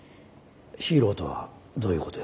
ヒーローとはどういうことですか？